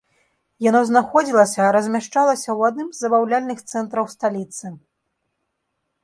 Яно знаходзілася размяшчалася ў адным з забаўляльных цэнтраў сталіцы.